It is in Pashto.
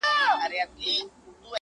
!د عدالت په انتظار،